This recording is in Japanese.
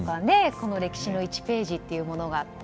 この歴史の１ページというものが。